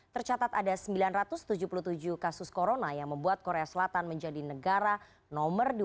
tercatat ada sembilan ratus tujuh puluh tujuh kasus corona yang membuat korea selatan menjadi negara nomor dua